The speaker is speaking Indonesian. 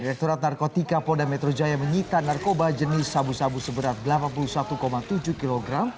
direkturat narkotika polda metro jaya menyita narkoba jenis sabu sabu seberat delapan puluh satu tujuh kg